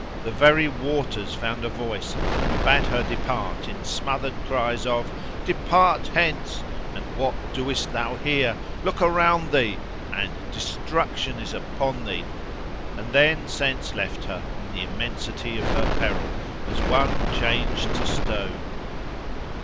The very waters found a voice and bade her depart, in smothered cries of, Depart hence! and What doest thou here? Look around thee! and Destruction is upon thee! And then sense left her, in the immensity of her peril, as one changed to stone.